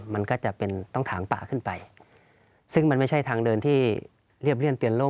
มันก็จะเป็นต้องถางป่าขึ้นไปซึ่งมันไม่ใช่ทางเดินที่เรียบเลี่ยเตือนโลก